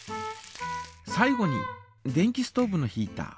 最後に電気ストーブのヒータ。